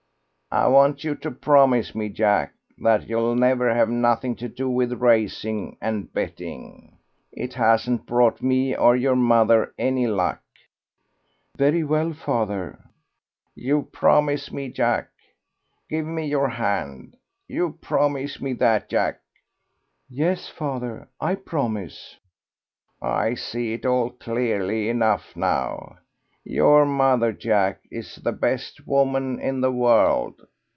"I want you to promise me, Jack, that you'll never have nothing to do with racing and betting. It hasn't brought me or your mother any luck." "Very well, father." "You promise me, Jack. Give me your hand. You promise me that, Jack." "Yes, father, I promise." "I see it all clearly enough now. Your mother, Jack, is the best woman in the world.